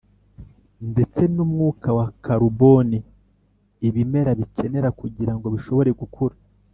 ndetse n'umwuka wa karuboni ibimera bikenera kugira ngo bishobore gukura